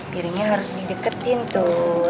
piringnya harus dideketin tuh